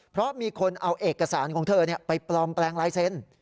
เพราะมีคนเอาเอกสารของเธอไปปลอมแปลงลายเซ็นต์